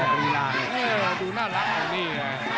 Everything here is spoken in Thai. ดูน่ารักอันนี้